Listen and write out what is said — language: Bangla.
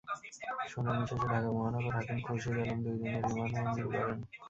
শুনানি শেষে ঢাকা মহানগর হাকিম খুরশীদ আলম দুই দিনের রিমান্ড মঞ্জুর করেন।